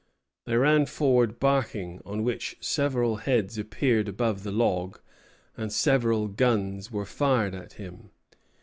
They ran forward barking, on which several heads appeared above the log, and several guns were fired at him.